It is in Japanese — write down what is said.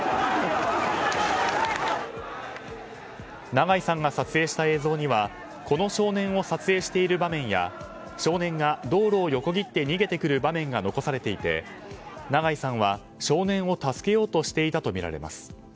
長井さんが撮影した映像にはこの少年を撮影している場面や少年が道路を横切って逃げてくる場面が残されていて長井さんは、少年を助けようとしていたとみられます。